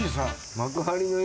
幕張の駅。